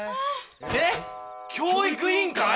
えっ？教育委員会！？